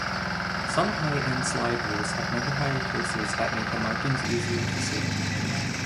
Some high-end slide rules have magnifier cursors that make the markings easier to see.